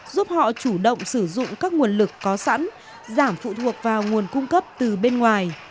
giúp họ chủ động sử dụng các nguồn lực có sẵn giảm phụ thuộc vào nguồn cung cấp từ bên ngoài